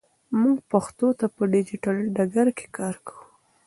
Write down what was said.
موږ پښتو ته په ډیجیټل ډګر کې کار کوو.